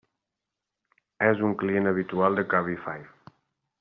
És un client habitual de Cabify.